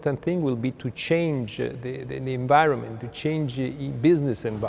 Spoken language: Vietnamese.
những ảnh hưởng nhanh chóng